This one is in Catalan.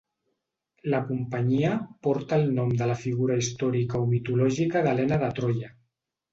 La companyia porta el nom de la figura històrica o mitològica d'Helena de Troia.